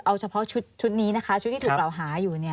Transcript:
เอาเฉพาะชุดนี้นะคะชุดที่ถูกกล่าวหาอยู่